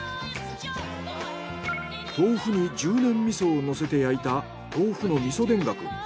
豆腐にじゅうねん味噌をのせて焼いた豆腐の味噌田楽。